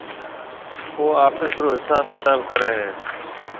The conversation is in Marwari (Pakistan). او آفس رو حساب ڪتاب ڪرَي ھيََََ